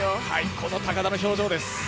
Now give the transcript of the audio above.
この高田の表情です。